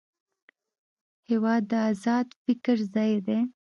هېواد د ازاد فکر ځای دی.